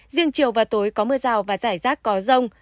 riêng chiều và tối có mưa rào và rải rác có rông